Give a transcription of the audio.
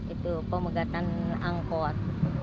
itu pemegatan angkut